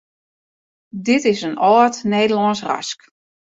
Dit is in âld Nederlânsk ras.